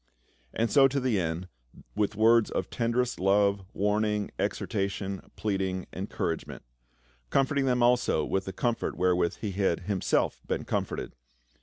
And so to the end, with words of tenderest love, warn ing, exhortation, pleading, encouragement. Comfort ing them also with the comfort wherewith he had him self been comforted.